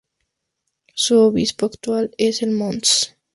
Su obispo actual es el Mons.